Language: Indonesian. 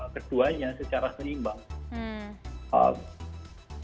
keduanya secara senimbang